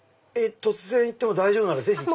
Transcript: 突然行っても大丈夫ならぜひ！